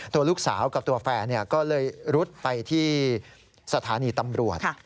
ตัวลูกสาวกับตัวแฟนก็เลยรุดไปที่สถานีตำรวจ